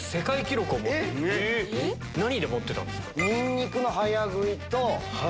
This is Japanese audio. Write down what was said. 何で持ってたんですか？